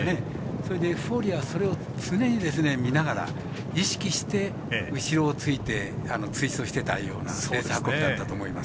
それでエフフォーリアをそれを常に見ながら意識して、後ろをついて追走していたというレース運びだったと思います。